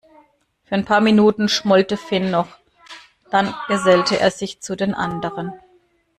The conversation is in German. Für ein paar Minuten schmollte Finn noch, dann gesellte er sich zu den anderen.